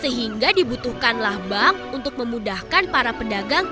sehingga dibutuhkanlah bank untuk memudahkan para pedagang